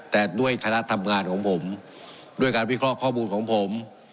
แต่ด้วยคณะทำงานของผมด้วยการวิเคราะห์ข้อมูลของผม